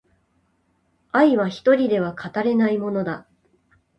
愛は一人では語れないものだ